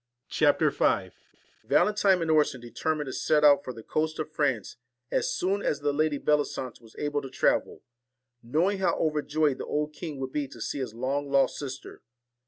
CHAPTER V VALENTINE and Orson determined to set out for the coast of France as soon as the Lady Belli sance was able to travel, knowing how overjoyed the old king would be to see his long lost sister.